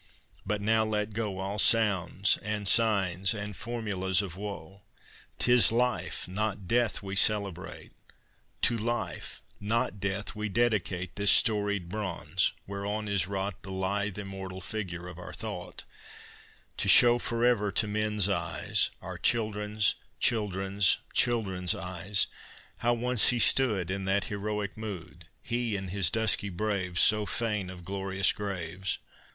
But now let go All sounds and signs and formulas of woe: 'Tis Life, not Death, we celebrate; To Life, not Death, we dedicate This storied bronze, whereon is wrought The lithe immortal figure of our thought, To show forever to men's eyes, Our children's children's children's eyes, How once he stood In that heroic mood, He and his dusky braves So fain of glorious graves!